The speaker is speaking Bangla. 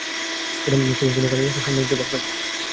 কোনও খালি রাস্তার সন্ধান দিতে পারবেন?